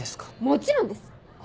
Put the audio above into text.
もちろんです！